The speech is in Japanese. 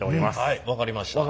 はい分かりました。